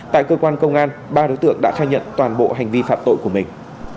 tại cơ quan công an ba đối tượng đã khai nhận toàn bộ hành vi phạm tội của mình